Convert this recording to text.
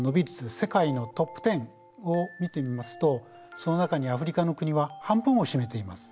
世界のトップ１０を見てみますとその中にアフリカの国は半分を占めています。